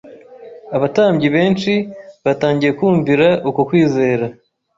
abatambyi benshi batangiye kumvira uko kwizera